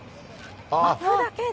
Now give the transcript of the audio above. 巻くだけで。